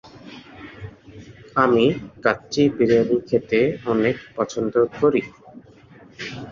তিনি ভারত এবং অন্যান্য দেশ যেমন কানাডা, পশ্চিম জার্মানি, লন্ডন, দুবাই এবং মার্কিন যুক্তরাষ্ট্রের অনেক উৎসবে প্রদর্শন করেছেন।